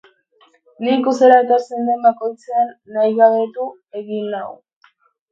Ni ikustera etortzen den bakoitzean, nahigabetu egiten nau.